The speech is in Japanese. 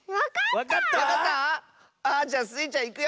わかった⁉あっじゃあスイちゃんいくよ。